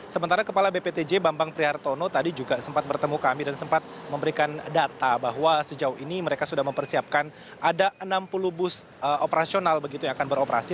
sementara kepala bptj bambang prihartono tadi juga sempat bertemu kami dan sempat memberikan data bahwa sejauh ini mereka sudah mempersiapkan ada enam puluh bus operasional begitu yang akan beroperasi